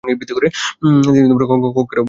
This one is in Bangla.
তিনি কক্ষের অভ্যন্তরে উঁকি দিয়ে দেখেন।